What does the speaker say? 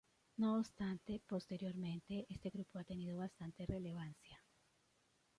No obstante, posteriormente, este grupo ha tenido bastante relevancia.